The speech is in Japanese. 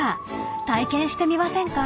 ［体験してみませんか？］